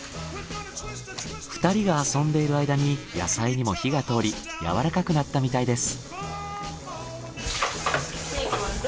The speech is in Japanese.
２人が遊んでいる間に野菜にも火が通り柔らかくなったみたいです。